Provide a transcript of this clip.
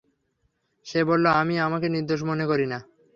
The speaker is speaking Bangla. সে বলল, আমি আমাকে নির্দোষ মনে করি না।